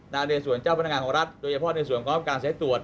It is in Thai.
ในส่วนเจ้าพนักงานของรัฐโดยเฉพาะในส่วนของการสายตรวจ